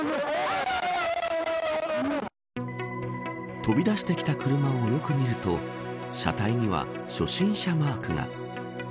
飛び出してきた車をよく見ると車体には初心者マークが。